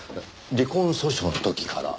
離婚訴訟の時から？